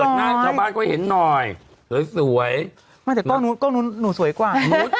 เปิดหน้าชาวบ้านก็ให้เห็นหน่อยสวยไม่แต่กล้องนู้นนู้นหนูสวยกว่า